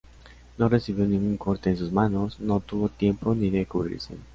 No recibió ningún corte en sus manos, no tuvo tiempo ni de cubrirse.